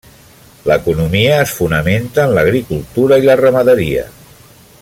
L'economia es fonamenta en l'agricultura i la ramaderia.